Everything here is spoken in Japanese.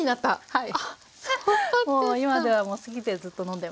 はい。